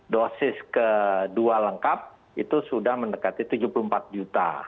dosis kedua lengkap itu sudah mendekati tujuh puluh empat juta